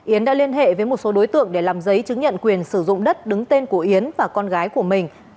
yến đã liên hệ với một số đối tượng để làm giấy chứng nhận quyền sử dụng đất đứng tên của yến và con gái của mình